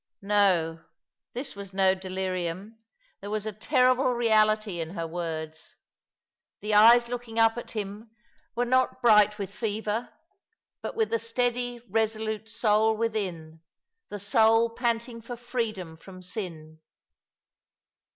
No ; this was no delirium — there was a terrible reality in her words. The eyes looking up at him were not bright with 294 ^^'^ along the River, fever, but with the steady resolute soul within — the soul panting for freedom from sin.